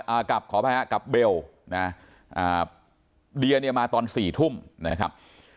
อ่ากับขอโทษนะครับกับเบลนะฮะอ่าเดียเนี่ยมาตอนสี่ทุ่มนะครับ